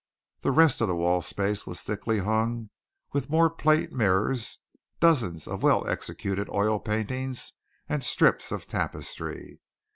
The rest of the wall space was thickly hung with more plate mirrors, dozens of well executed oil paintings, and strips of tapestry.